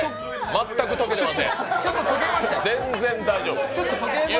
全く溶けてません。